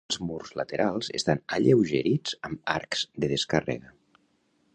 Els murs laterals estan alleugerits amb arcs de descàrrega.